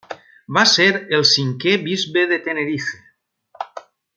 Va ser el cinquè bisbe de Tenerife.